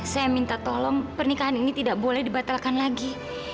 saya minta tolong pernikahan ini tidak boleh dibatalkan lagi